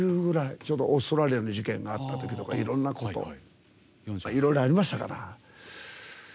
ちょうどオーストラリアの事件があったときとかいろいろありましたから。